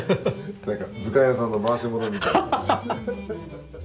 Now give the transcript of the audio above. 何か図鑑屋さんの回し者みたい。